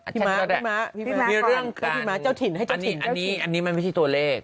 พี่ม้าพี่ม้าเจ้าถิ่นให้เจ้าถิ่นอันนี้มันไม่ใช่ตัวเลข